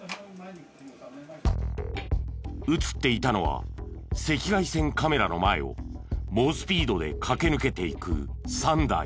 映っていたのは赤外線カメラの前を猛スピードで駆け抜けていく３台。